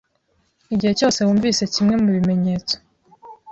igihe cyose wumvise kimwe mu bimenyetso